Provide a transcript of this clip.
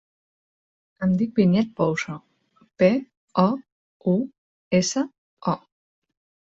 Em dic Vinyet Pouso: pe, o, u, essa, o.